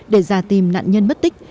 để ra tìm nạn nhân mất tích